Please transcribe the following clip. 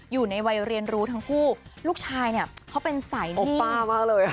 อยู่ในวัยเรียนรู้ทั้งคู่ลูกชายเนี่ยเขาเป็นสายโนป้ามากเลย